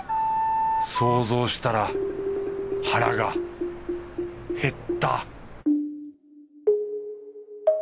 想像したら腹が減った